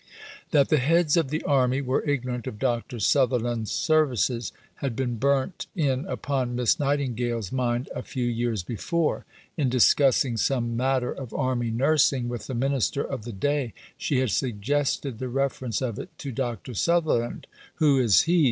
That the heads of the Army were ignorant of Dr. Sutherland's services, had been burnt in upon Miss Nightingale's mind a few years before. In discussing some matter of army nursing with the minister of the day, she had suggested the reference of it to Dr. Sutherland. "Who is he?"